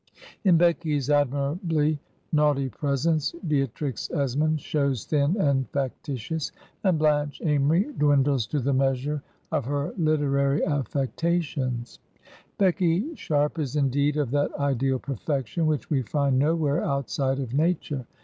In Becky's admirably naughty presence, Beatrix Es mond shows thin and factitious, and Blanche Amory dwindles to the measure of her literary affectations. L— 193 Google Digitized by VjOOQ HEROINES OF FICTION Becky Sharp is indeed of that ideal perfection which we find nowhere outside of nature.